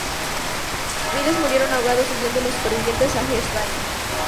Miles murieron ahogados, huyendo los supervivientes a Azerbaiyán.